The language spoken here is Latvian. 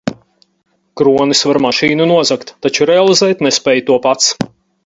Kronis var mašīnu nozagt, taču realizēt nespēj to pats.